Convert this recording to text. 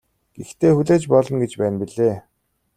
Гэхдээ хүлээж болно гэж байна билээ.